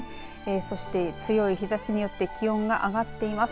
そして強い日ざしによって気温が上がっています。